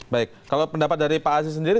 baik kalau pendapat dari pak aziz sendiri